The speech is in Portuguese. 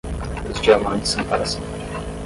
Os diamantes são para sempre.